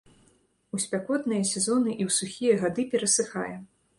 У спякотныя сезоны і ў сухія гады перасыхае.